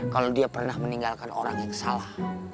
kalau dia pernah meninggalkan orang yang salah